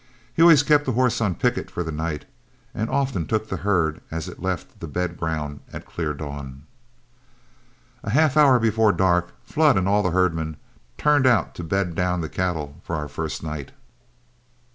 He always kept a horse on picket for the night, and often took the herd as it left the bed ground at clear dawn. A half hour before dark, Flood and all the herd men turned out to bed down the cattle for our first night.